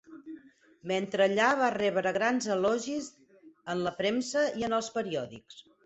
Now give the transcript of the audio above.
Mentre allà va rebre grans elogis en la premsa i en els periòdics.